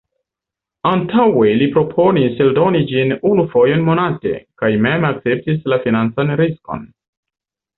Anstataŭe li proponis eldoni ĝin unu fojon monate, kaj mem akcepti la financan riskon.